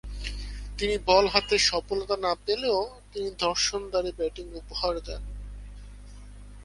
তিনি বল হাতে সফলতা না পেলেও কিছু দর্শনীয় ব্যাটিং উপহার দেন।